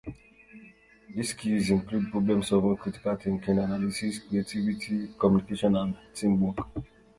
These skills include problem-solving, critical thinking, analysis, creativity, communication, and teamwork.